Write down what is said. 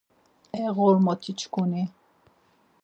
E ğormoti-çkuni!